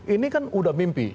ini kan udah mimpi